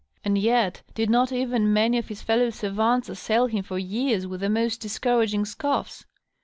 And yet did not even many of his tellow savants assail him for years with the most discouraging scoffs